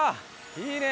いいね！